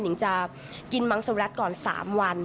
นิงจะกินมังสุรัตน์ก่อน๓วัน